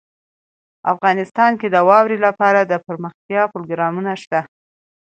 افغانستان کې د واوره لپاره دپرمختیا پروګرامونه شته.